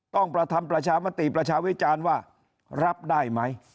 ต้องประทำประชามติประชาวิจารณ์ว่ารับได้ไหม